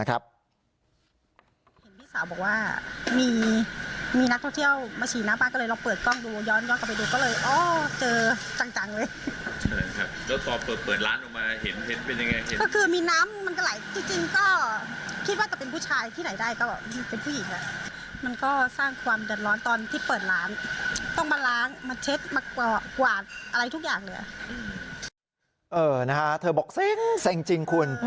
เธอบอกเซ็งเซ็งจริงคุณ